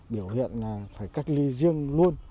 biểu hiện là phải cách ly riêng luôn